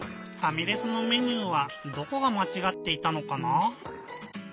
ファミレスのメニューはどこがまちがっていたのかな？